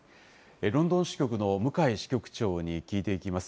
ロンドン支局の向井支局長に聞いていきます。